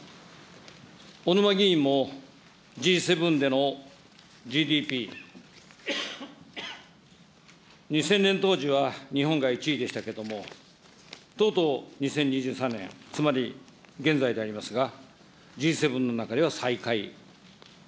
小沼議員もＧ７でのＧＤＰ、２０００年当時は日本が１位でしたけれども、とうとう２０２３年、つまり現在でありますが、Ｇ７の中では最下位。